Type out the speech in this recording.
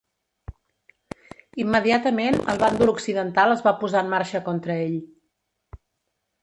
Immediatament el bàndol occidental es va posar en marxa contra ell.